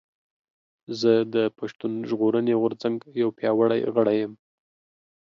زه د پشتون ژغورنې غورځنګ يو پياوړي غړی یم